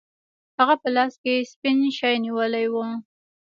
هغه په لاس کې سپین شی نیولی و.